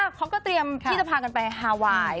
ครบกระเตรียมที่จะพากันไปฮาวาย